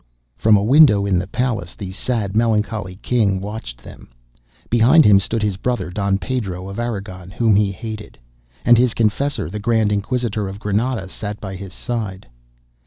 From a window in the palace the sad melancholy King watched them. Behind him stood his brother, Don Pedro of Aragon, whom he hated, and his confessor, the Grand Inquisitor of Granada, sat by his side.